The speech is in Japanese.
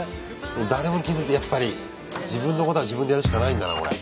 誰も気付いてやっぱり自分のことは自分でやるしかないんだなこれ。